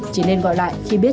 chỉ nên gọi lại khi biết